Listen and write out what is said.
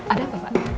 ada apa pak